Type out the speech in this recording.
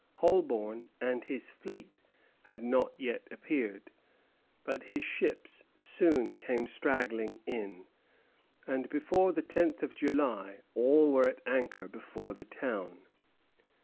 Holbourne and his fleet had not yet appeared; but his ships soon came straggling in, and before the tenth of July all were at anchor before the town.